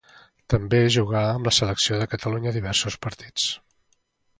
També jugà amb la selecció de Catalunya diversos partits.